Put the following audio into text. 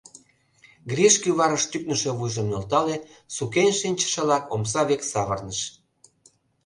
Гриш кӱварыш тӱкнышӧ вуйжым нӧлтале, сукен шинчышылак омса век савырныш.